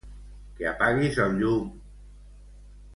Que apaguis el llum.